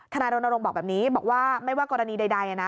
นายรณรงค์บอกแบบนี้บอกว่าไม่ว่ากรณีใดนะ